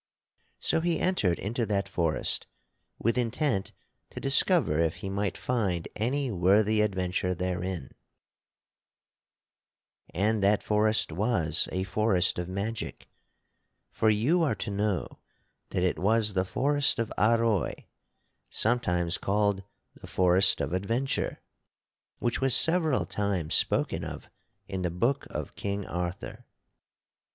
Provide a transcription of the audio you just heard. So he entered into that forest with intent to discover if he might find any worthy adventure therein. [Sidenote: Sir Percival enters the Forest of Arroy] (And that forest was a forest of magic; for you are to know that it was the Forest of Arroy, sometimes called the Forest of Adventure, which was several times spoken of in the book of King Arthur.